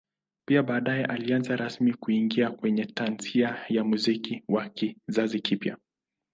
Pia baadae alianza rasmi kuingia kwenye Tasnia ya Muziki wa kizazi kipya